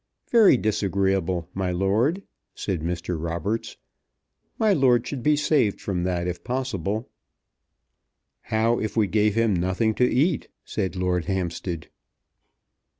"Very disagreeable, my lord," said Mr. Roberts. "My lord should be saved from that if possible." "How if we gave him nothing to eat?" said Lord Hampstead.